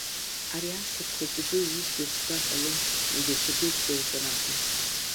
Ари ашҭаҿ хәыҷи дуи усгьы аӡә дтәар ҟаломызт, зегь ршьапы иқәгылазар акәын.